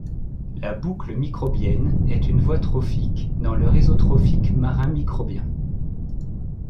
La boucle microbienne est une voie trophique dans le réseau trophique marin microbien.